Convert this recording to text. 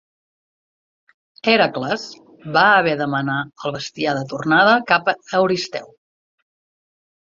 Hèracles va haver de menar el bestiar de tornada cap a Euristeu.